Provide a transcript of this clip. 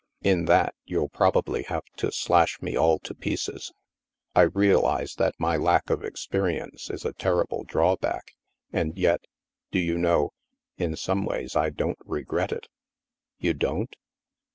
In that, you'll probably have to slash me all to pieces. I realize that my lack of experience is a terrible drawback, and yet — do you know — in some ways I don't regret it." "You don't?"